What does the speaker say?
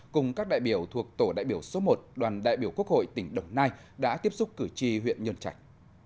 cùng các đại biểu thuộc tổ đại biểu số một đoàn đại biểu quốc hội tỉnh đồng nai đã tiếp xúc cử tri huyện nhân trạch